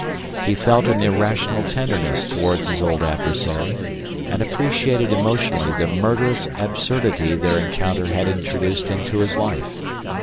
He felt an irrational tenderness toward his old adversary, and appreciated emotionally the murderous absurdity their encounter had introduced into his life.